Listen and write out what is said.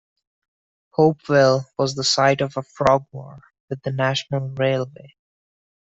Hopewell was the site of a frog war with the National Railway.